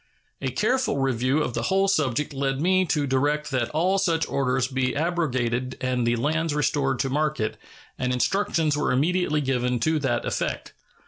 A careful review of the whole subject led me to direct that all such orders be abrogated and the lands restored to market, and instructions were immediately given to that effect.